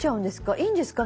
いいんですか？